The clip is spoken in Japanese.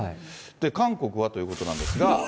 韓国はということなんですが。